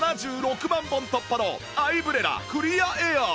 本突破のアイブレラクリアエアー